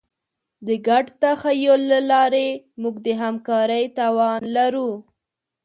د ګډ تخیل له لارې موږ د همکارۍ توان لرو.